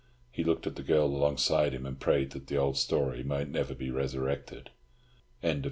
He looked at the girl alongside him, and prayed that the old story might never be resurrected. CHAPTER XV.